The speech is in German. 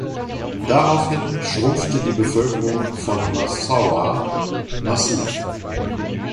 Daraufhin schrumpfte die Bevölkerung von Massaua massiv.